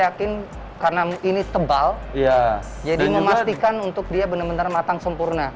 yakin karena ini tebal jadi memastikan untuk dia benar benar matang sempurna